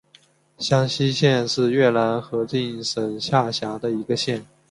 香溪县是越南河静省下辖的一县。